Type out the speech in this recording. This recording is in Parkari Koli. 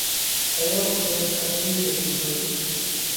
تئيون اُوئہ سڪلِي نئہ ڪِيڌو: